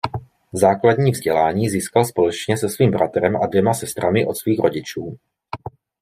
Základní vzdělání získal společně se svým bratrem a dvěma sestrami od svých rodičů.